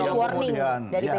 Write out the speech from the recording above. warning dari pdi perjuangan